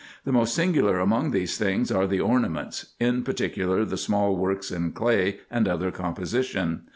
The most singular among these things are the ornaments, in particular the small works in clay and other com position.